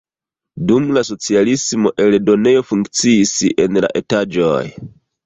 Dum la socialismo eldonejo funkciis en la etaĝoj.